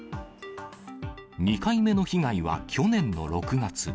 ２回目の被害は去年の６月。